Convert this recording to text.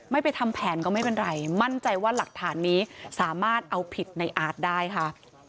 ไปทำแผนก็ไม่เป็นไรมั่นใจว่าหลักฐานนี้สามารถเอาผิดในอาร์ตได้ค่ะ